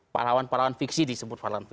parawan parawan fiksi disebut parawan fiksi